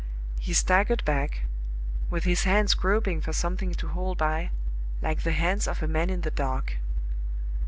He staggered back, with his hands groping for something to hold by, like the hands of a man in the dark.